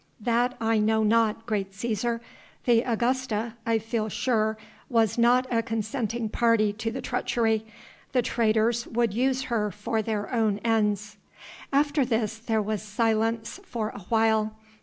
"That I know not, great Cæsar. The Augusta, I feel sure, was not a consenting party to the treachery. The traitors would use her for their own ends." After this there was silence for a while.